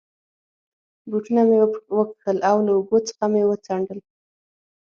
بوټونه مې و کښل، له اوبو څخه مې و څنډل.